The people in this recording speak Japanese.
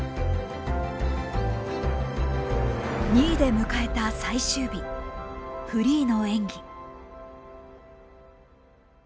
２位で迎えた最終日フリーの演技。